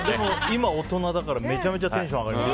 今、大人だからめちゃめちゃテンション上がります。